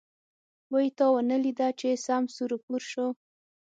وی تا ونه ليده چې سم سور و پور شو.